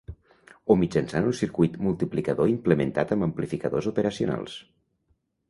O mitjançant un circuit multiplicador implementat amb amplificadors operacionals.